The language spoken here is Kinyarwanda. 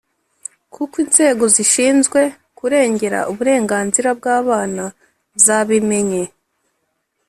kuko inzego zishinzwe kurengera uburenganzira bw’abana zabimenye